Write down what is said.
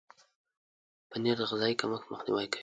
پنېر د غذایي کمښت مخنیوی کوي.